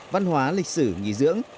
văn hóa lịch sử nghỉ dưỡng